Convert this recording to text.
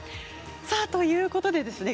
ということでですね